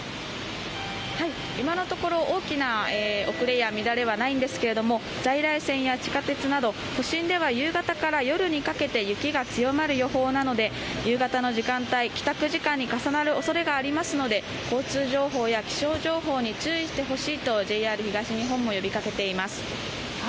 今のところ大きな遅れや乱れはないんですが在来線や地下鉄など都心では夕方から夜にかけて雪が強まる予報なので夕方の時間帯帰宅時間に重なる恐れがありますので交通情報や気象情報に注意してほしいとＪＲ東日本も呼びかけています。